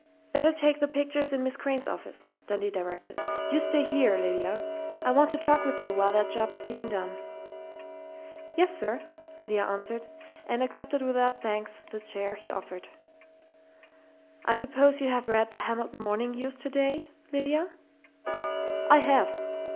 Better take the pictures in Miss Crain's office," Dundee directed. "You stay here, Lydia. I want to talk with you while that job is being done." "Yes, sir," Lydia answered, and accepted without thanks the chair he offered. "I suppose you have read The Hamilton Morning News today, Lydia?" "I have!"